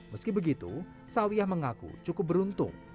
meski begitu sawiyah mengaku cukup beruntung